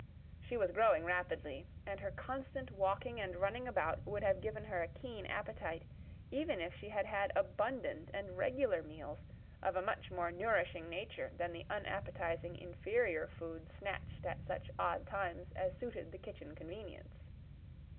She was growing rapidly, and her constant walking and running about would have given her a keen appetite even if she had had abundant and regular meals of a much more nourishing nature than the unappetizing, inferior food snatched at such odd times as suited the kitchen convenience.